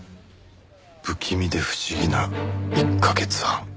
不気味で不思議な１カ月半。